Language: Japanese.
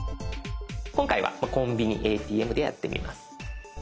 今回は「コンビニ／ＡＴＭ」でやってみます。